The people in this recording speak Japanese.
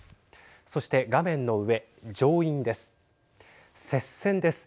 そして画面の上上院です。